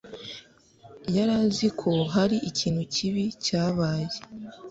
yari azi ko hari ikintu kibi cyabaye.